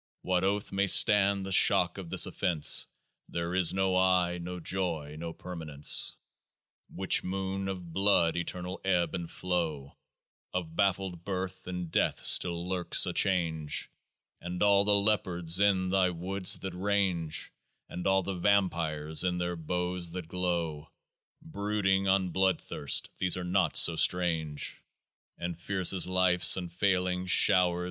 What oath may stand the shock of this offence :" There is no I, no joy, no permanence "? Witch moon of blood, eternal ebb and flow Of baffled birth, in death still lurks a change ; And all the leopards in thy woods that range, And all the vampires in their boughs that glow, Brooding on blood thirst these are not so strange And fierce as life's unfailing shower.